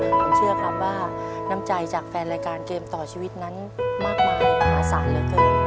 ผมเชื่อครับว่าน้ำใจจากแฟนรายการเกมต่อชีวิตนั้นมากมายมหาศาลเหลือเกิน